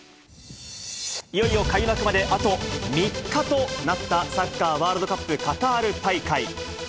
いよいよ開幕まであと３日となったサッカーワールドカップカタール大会。